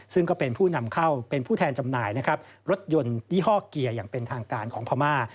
ซึ่งก็เป็นผู้นำเข้าเป็นผู้แทนจำหน่ายนะครับรถยนต์ยี่ห้อเกียร์อย่างเป็นทางการของพม่า